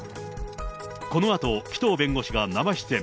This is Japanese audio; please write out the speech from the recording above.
このあと紀藤弁護士が生出演。